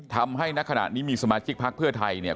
ทำให้ในขณะนี้มีสมาชิกภักดิ์เพื่อไทย